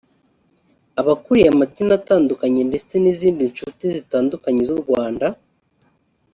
abakuriye amadini atandukanye ndetse n’izindi nshurti zitandukanye z’u Rwanda